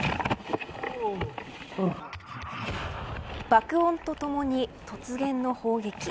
爆音とともに突然の砲撃。